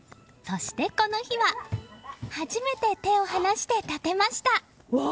そして、この日は初めて手を放して立てました！